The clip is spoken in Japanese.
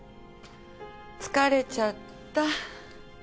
疲れちゃった。